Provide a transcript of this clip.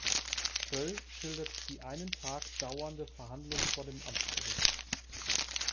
Böll schildert die einen Tag dauernde Verhandlung vor dem Amtsgericht.